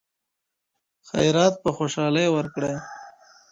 خیرات په خوشالۍ ورکړئ.